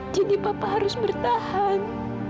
jadi papa harus bertahan